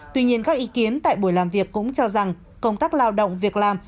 tuy nhiên các ý kiến tại buổi làm việc cũng cho rằng công tác lao động việc làm